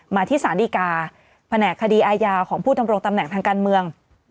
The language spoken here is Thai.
มาที่สารดีกาแผนกคดีอาญาของผู้ดำรงตำแหน่งทางการเมือง